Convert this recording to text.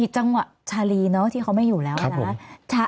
จังหวะชาลีเนอะที่เขาไม่อยู่แล้วนะ